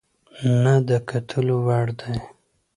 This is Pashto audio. نه د کتلو وړ دى،